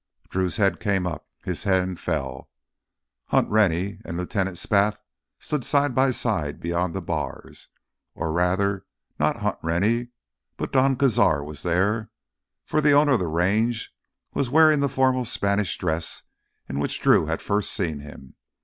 Drew's head came up, his hand fell. Hunt Rennie and Lieutenant Spath stood side by side beyond the bars. Or rather, not Hunt Rennie, but Don Cazar was there—for the owner of the Range was wearing the formal Spanish dress in which Drew had first seen him.